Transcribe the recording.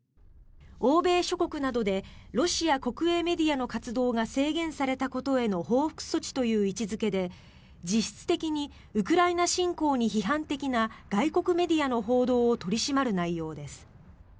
欧米諸国などでロシア国営メディアの活動が制限されたことへの報復措置という位置付けで実質的にウクライナ侵攻に批判的な外国メディアの報道を取り締まる内容です。